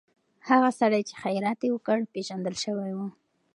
هغه سړی چې خیرات یې وکړ، پېژندل شوی و.